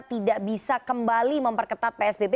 tidak bisa kembali memperketat psbb